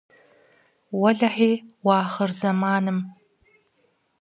Уэлэхьи, уахъырзэманым!